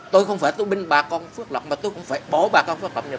tôi không phải tôi binh bà con phước lộc mà tôi cũng phải bỏ bà con phước lộc